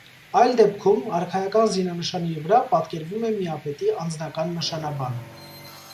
Այլ դեպքում, արքայական զինանշանի վրա պատկերվում է միապետի անձնական նշանաբանը։